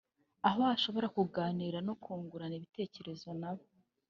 aho ashobora kuganira no kungurana ibitekerezo nabo